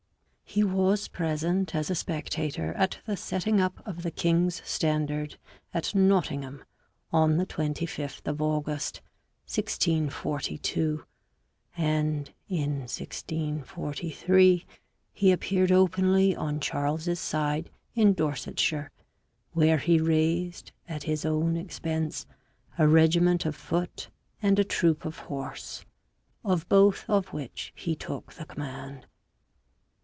He was present as a spectator at the setting up of the king's standard at Nottingham on the 25th of August 1642; and in 1643 he appeared openly on Charles's side in Dorsetshire, where he raised at his own expense a regiment of foot and a troop of horse, of both of which he took the command.